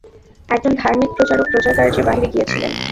একজন ধার্মিক প্রচারক প্রচারকার্যে বাহিরে গিয়াছিলেন।